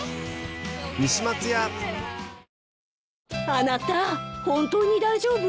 あなたホントに大丈夫？